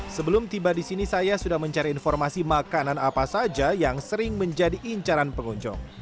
sebelum tiba di sini saya sudah mencari informasi makanan apa saja yang sering menjadi incaran pengunjung